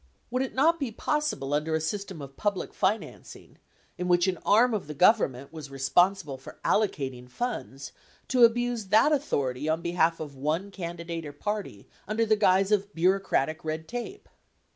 Would it not be possible under a system of public financing, in which an arm of the Government was responsible for allocating funds, to abuse that au thority on behalf of one candidate or party under the guise of bureau cratic red tape?